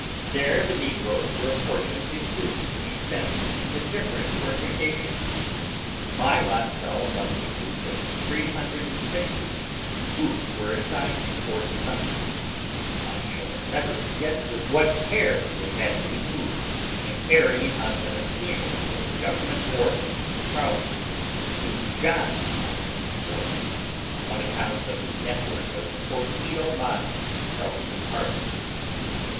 There the negroes were apportioned in groups to be sent to the different fortifications. My lot fell among the group of three hundred and sixty, who were assigned to Fort Sumter. I shall never forget with what care they had to move in carrying us in a steamer from the government wharf in Charleston to John's island wharf, on account of the network of torpedo mines in Charleston Harbor.